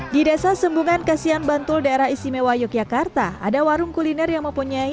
di desa sembungan kasihan bantul daerah istimewa yogyakarta ada warung kuliner yang mempunyai